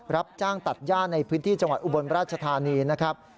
รับจ้างตัดย่าในพื้นที่จังหวัดอุบลราชธานีนะครับ